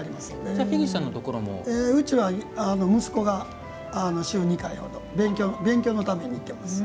うちは、息子が週２回ほど勉強のために行ってます。